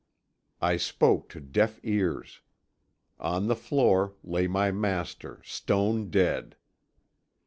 "I spoke to deaf ears. On the floor lay my master stone dead!